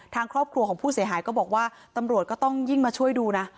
ทางครอบครัวของผู้เสียหายก็บอกว่าตำรวจก็ต้องยิ่งมาช่วยดูนะ